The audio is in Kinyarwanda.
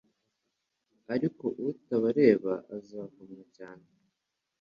ariko utabareba azavumwa cyane